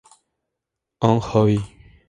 Un hobby.